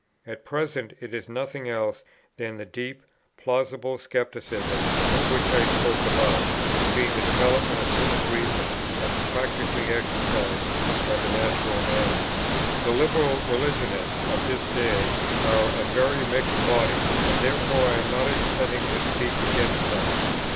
At present it is nothing else than that deep, plausible scepticism, of which I spoke above, as being the development of human reason, as practically exercised by the natural man. The Liberal religionists of this day are a very mixed body, and therefore I am not intending to speak against them.